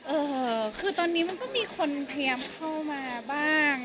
เออคือตอนนี้มันก็มีคนพยายามเข้ามาบ้าง